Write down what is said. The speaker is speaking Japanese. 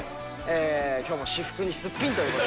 きょうも私服にすっぴんということで。